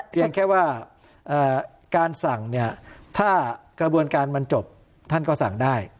เพียงแค่ว่าการสั่งเนี่ยถ้ากระบวนการมันจบท่านก็สั่งได้